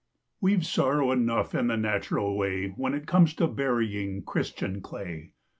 We've sorrow enough in the natural way, When it comes to burying Christian clay.